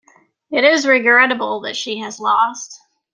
It is regrettable that she has lost.